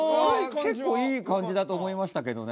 結構いい感じだと思いましたけどね。